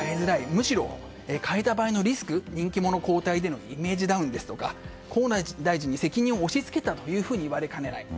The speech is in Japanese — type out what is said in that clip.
むしろ、代えた場合のリスク人気者交代でのイメージダウンですとか河野大臣に責任を押し付けたと言われかねない。